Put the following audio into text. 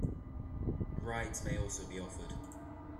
Rides may also be offered.